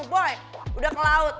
boy udah ke laut